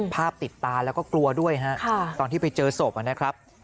ภาพติดตาแล้วก็กลัวด้วยฮะตอนที่ไปเจอศพนะครับ